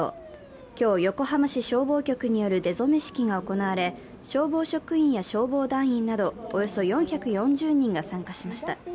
今日、横浜市消防局による出初式が行われ、消防職員や消防団員などおよそ４４０人が参加しました。